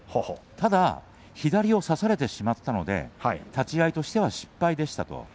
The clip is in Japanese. ただ左を差されてしまったので立ち合いとしては失敗でした。